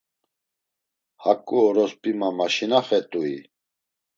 Haǩu orosp̌i, ma maşinaxet̆ui!